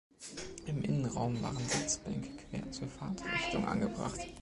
Im Innenraum waren Sitzbänke quer zur Fahrtrichtung angebracht.